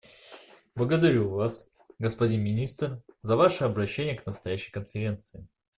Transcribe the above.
Благодарю Вас, господин министр, за ваше обращение к настоящей Конференции.